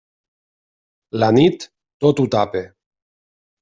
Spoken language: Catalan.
La nit, tot ho tapa.